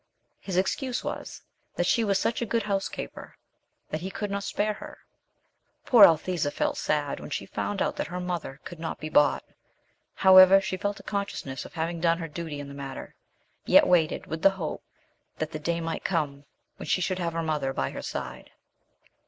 His excuse was, that she was such a good housekeeper that he could not spare her. Poor Althesa felt sad when she found that her mother could not be bought. However, she felt a consciousness of having done her duty in the matter, yet waited with the hope that the day might come when she should have her mother by her side.